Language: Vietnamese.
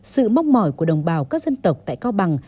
sự móc mỏi của đồng bào các dân tộc tại co bằng